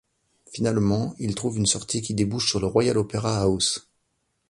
Finalement ils trouvent une sortie qui débouche sur le Royal Opera House.